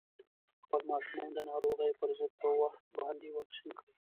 خپل ماشومان د ناروغیو پر ضد په وخت باندې واکسین کړئ.